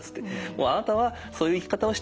「もうあなたはそういう生き方をしたいんだね。